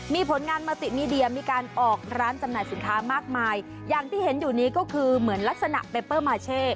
มีผลงานมาติมีเดียมีการออกร้านจำหน่ายสินค้ามากมายอย่างที่เห็นอยู่นี้ก็คือเหมือนลักษณะเปเปอร์มาเช่